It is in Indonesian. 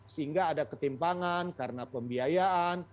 sehingga ada ketimpangan karena pembiayaan